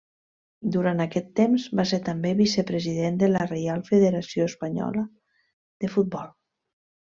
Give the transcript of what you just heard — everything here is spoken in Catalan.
Durant aquest temps va ser també vicepresident de la Reial Federació Espanyola de Futbol.